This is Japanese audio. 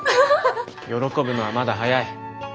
喜ぶのはまだ早い。